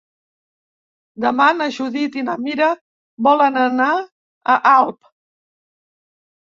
Demà na Judit i na Mira volen anar a Alp.